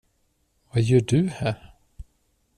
Vad gör du här?